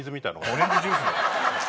オレンジジュースだよ。